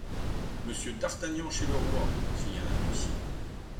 Monsieur d'Artagnan chez le roi ! cria un huissier.